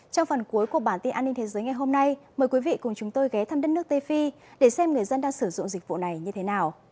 trong phần cuối của bản tin an ninh thế giới ngày hôm nay mời quý vị cùng chúng tôi ghé thăm đất nước tây phi để xem người dân đang sử dụng dịch vụ này như thế nào